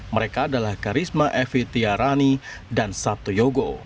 mereka adalah karisma evi tiarani dan sabto yogo